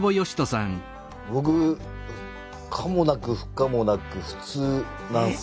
僕可もなく不可もなく普通なんすよ。